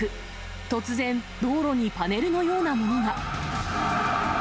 突然、道路にパネルのようなものが。